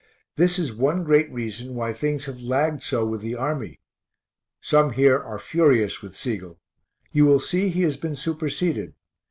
This is one great reason why things have lagged so with the Army. Some here are furious with Sigel. You will see he has been superseded.